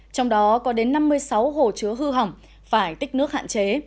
trong đó có đến năm mươi sáu hồ chứa hư hỏng phải tích nước hạn chế